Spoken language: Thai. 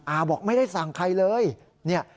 อ้าวบอกไม่ได้สั่งใครเลย